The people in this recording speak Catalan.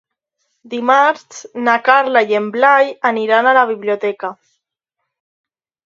Dimarts na Carla i en Blai aniran a la biblioteca.